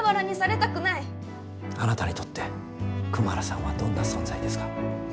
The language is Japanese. あなたにとってクマラさんはどんな存在ですか？